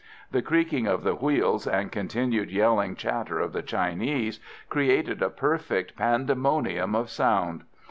The creaking of the wheels and continued yelling chatter of the Chinese created a perfect pandemonium of sound.